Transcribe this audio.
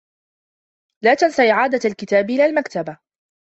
لا تنس إعادة الكتاب إلى المكتبة.